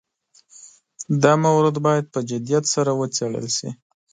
دا مورد باید په جدیت سره وڅېړل شي.